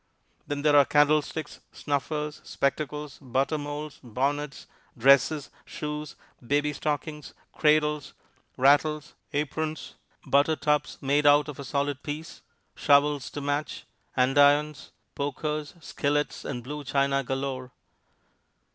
Then there are candlesticks, snuffers, spectacles, butter molds, bonnets, dresses, shoes, baby stockings, cradles, rattles, aprons, butter tubs made out of a solid piece, shovels to match, andirons, pokers, skillets and blue china galore.